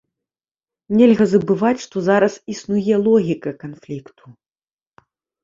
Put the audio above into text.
Нельга забываць, што зараз існуе логіка канфлікту.